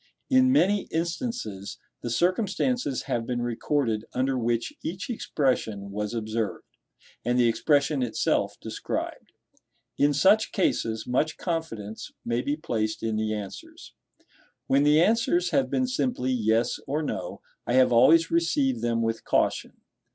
In many instances, the circumstances have been recorded under which each expression was observed, and the expression itself described. In such cases, much confidence may be placed in the answers. When the answers have been simply yes or no, I have always received them with caution.